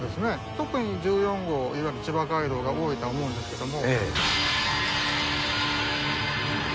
特に１４号いわゆる千葉街道が多いとは思うんですけども。